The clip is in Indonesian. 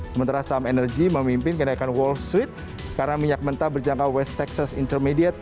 sementara saham energy memimpin kenaikan wall street karena minyak mentah berjangka waste texas intermediate